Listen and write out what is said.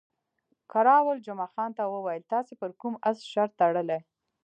کراول جمعه خان ته وویل، تاسې پر کوم اس شرط تړلی؟